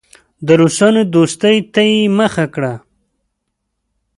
د روسانو دوستۍ ته یې مخه کړه.